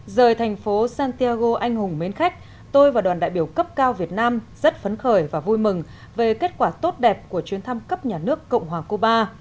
rời thành phố santiago anh hùng mến khách tôi và đoàn đại biểu cấp cao việt nam rất phấn khởi và vui mừng về kết quả tốt đẹp của chuyến thăm cấp nhà nước cộng hòa cuba